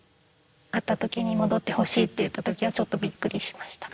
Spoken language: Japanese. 会った時に「戻ってほしい」って言った時はちょっとびっくりしました。